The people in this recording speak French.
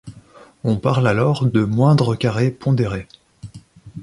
On parle alors de moindres carrés pondérés.